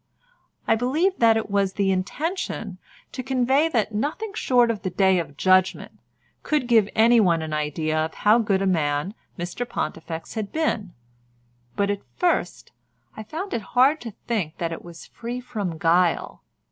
I believe that it was the intention to convey that nothing short of the Day of Judgement could give anyone an idea how good a man Mr Pontifex had been, but at first I found it hard to think that it was free from guile.